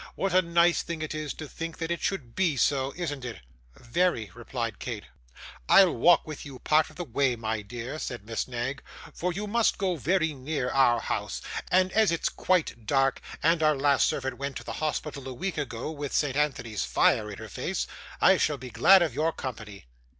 What a nice thing it is to think that it should be so, isn't it?' 'Very,' replied Kate. 'I'll walk with you part of the way, my dear,' said Miss Knag, 'for you must go very near our house; and as it's quite dark, and our last servant went to the hospital a week ago, with St Anthony's fire in her face, I shall be glad of your company.